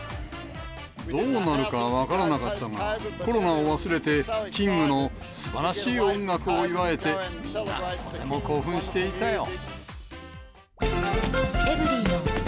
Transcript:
どうなるか分からなかったが、コロナを忘れて、キングのすばらしい音楽を祝えて、みんなとても興奮していたよ。